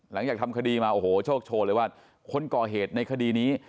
หลังจากทำคดีมาโอ้โหโชคโชว์เลยว่าคนก่อเหตุในคดีนี้